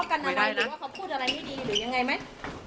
กันอะไรหรือว่าเขาพูดอะไรไม่ดีหรือยังไงไหม